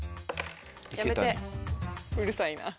やめてうるさいな。